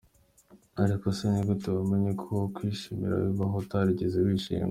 Ariko se ni gute wamenya ko kwishima bibaho utarigeze wishima ?